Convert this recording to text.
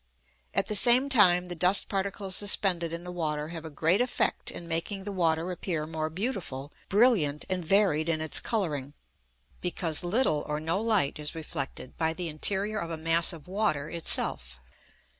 At the same time, the dust particles suspended in the water have a great effect in making the water appear more beautiful, brilliant, and varied in its colouring; because little or no light is reflected by the interior of a mass of water itself.